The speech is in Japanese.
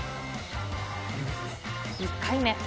１回目。